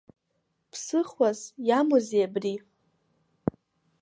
Ԥсыхуас иамоузеи абри?